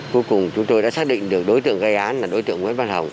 cuối cùng chúng tôi đã xác định được đối tượng gây án là đối tượng nguyễn văn hậu